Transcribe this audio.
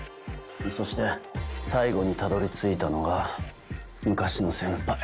そして最後にたどり着いたのが昔の先輩